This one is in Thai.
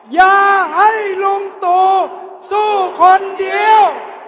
อย่าให้ลุงตู่สู้คนเดียว